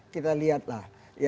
kita lihat lah